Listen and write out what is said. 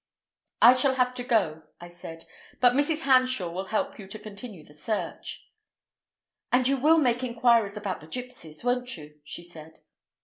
"I shall have to go," I said, "but Mrs. Hanshaw will help you to continue the search." "And you will make inquiries about the gipsies, won't you?" she said.